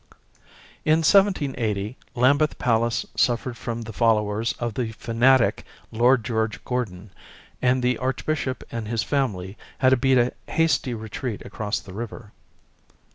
In 1780 Lambeth Palace suffered from the followers of the fanatic Lord George Gordon, and the Archbishop and his family had to beat a hasty retreat across the river.